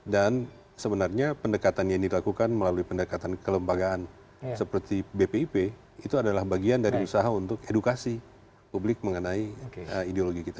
dan sebenarnya pendekatan yang dilakukan melalui pendekatan kelembagaan seperti bpip itu adalah bagian dari usaha untuk edukasi publik mengenai ideologi kita